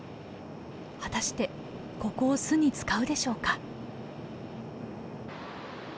果たしてここを巣に使うでしょうか。